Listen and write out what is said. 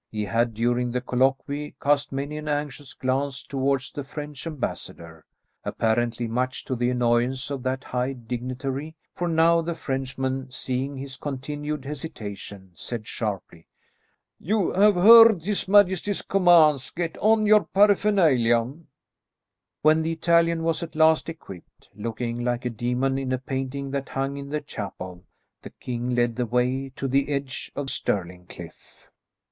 He had, during the colloquy, cast many an anxious glance towards the French ambassador, apparently much to the annoyance of that high dignitary, for now the Frenchman, seeing his continued hesitation, said sharply, "You have heard his majesty's commands; get on your paraphernalia." When the Italian was at last equipped, looking like a demon in a painting that hung in the chapel, the king led the way to the edge of Stirling cliff.